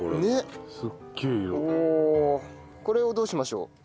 これをどうしましょう？